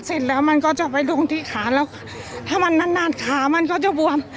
เสร็จแล้วมันก็จะไปรุงที่ขาถามันนานขามันก็จะบวม